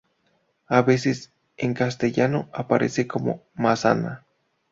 A veces, en castellano, aparece como "Masana".